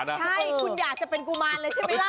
ใช่คุณอยากจะเป็นกุมารเลยใช่ไหมล่ะ